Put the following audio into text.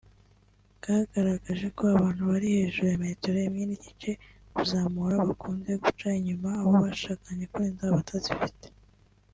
bwagaraje ko abantu bari hejuru ya metero imwe n’igice kuzamura bakunze guca inyuma abo bashakanye kurenza abatazifite